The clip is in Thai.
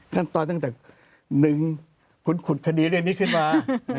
ตั้งแต่๑คุณขุดคดีเรื่องนี้ขึ้นมา